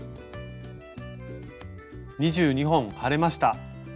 ２２本張れました。